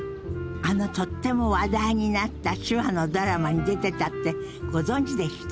あのとっても話題になった手話のドラマに出てたってご存じでした？